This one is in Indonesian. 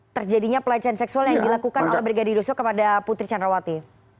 terjadinya pelecehan seksual yang dilakukan oleh brigadir yosua kepada putri candrawati